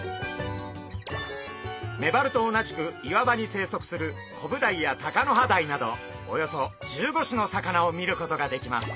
メバルと同じく岩場に生息するコブダイやタカノハダイなどおよそ１５種の魚を見ることができます。